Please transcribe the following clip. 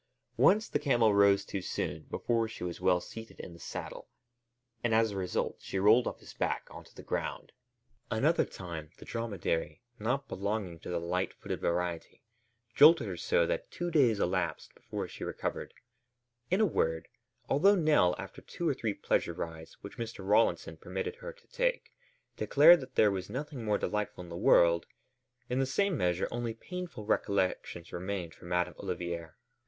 Once the camel rose too soon, before she was well seated in the saddle, and as a result she rolled off his back onto the ground. Another time, the dromedary, not belonging to the light footed variety, jolted her so that two days elapsed before she recovered; in a word, although Nell, after two or three pleasure rides which Mr. Rawlinson permitted her to take, declared that there was nothing more delightful in the world, in the same measure only painful recollections remained for Madame Olivier.